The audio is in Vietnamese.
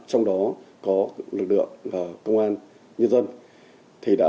trong đó có lực lượng công an nhân dân